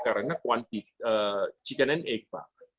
karena kuantik chicken and egg pak